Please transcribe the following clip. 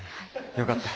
よかった。